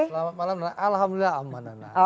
selamat malam alhamdulillah aman